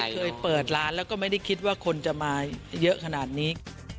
เคยเปิดร้านแล้วก็ไม่ได้คิดว่าคนจะมาเยอะขนาดนี้